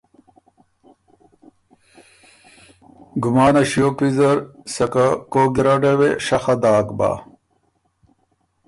ګمانه ݭیوک ویزر سکه کوک ګیرډه وې شخه داک بۀ